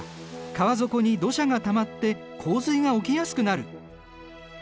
川底に土砂がたまって洪水が起きやすくなる。